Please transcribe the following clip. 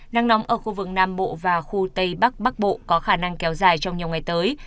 nắng nóng ở khu vực nam bộ và khu tây bắc bắc bộ có khả năng kéo dài trong nhiều ngày tới